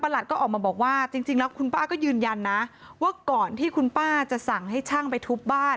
ก็ออกมาบอกว่าจริงแล้วคุณป้าก็ยืนยันนะว่าก่อนที่คุณป้าจะสั่งให้ช่างไปทุบบ้าน